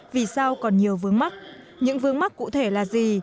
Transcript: vì sao còn nhiều vướng mắt những vướng mắt cụ thể là gì